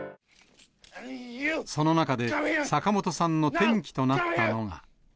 その中で、坂本さんの転機となったのが。